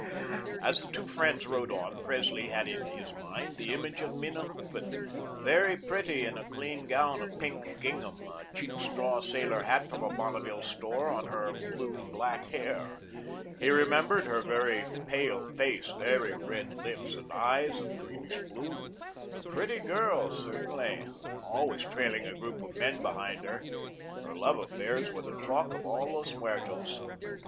As the two friends rode on, Presley had in his mind the image of Minna Hooven, very pretty in a clean gown of pink gingham, a cheap straw sailor hat from a Bonneville store on her blue black hair. He remembered her very pale face, very red lips and eyes of greenish blue, a pretty girl certainly, always trailing a group of men behind her. Her love affairs were the talk of all Los Muertos.